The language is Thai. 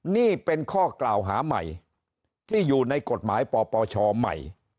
นี่เป็นข้อกล่าวหาใหม่ที่อยู่ในกฎหมายปปชใหม่